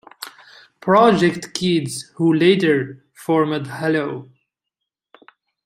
Project Kids, who later formed Hello!